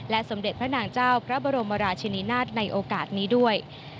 สมเด็จพระนางเจ้าพระบรมราชินินาศในโอกาสนี้ด้วย